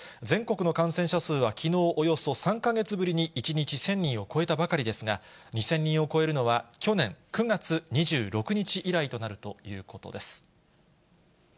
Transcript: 全国の感染者数はきのうおよそ３か月ぶりに１日１０００人を超えたばかりですが、２０００人を超えるのは、去年９月２６日以来となるということです。